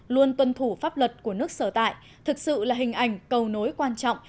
luôn tuân thủ pháp luật của nước sở tại thực sự là hình ảnh cầu nối quan trọng